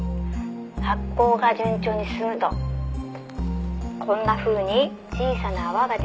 「発酵が順調に進むとこんなふうに小さな泡が出てきます」